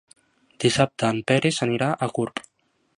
Dissabte en Peris anirà a Gurb.